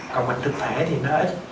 còn bệnh thực thể thì nó ít